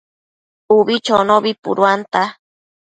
Ubi chonobi puduanta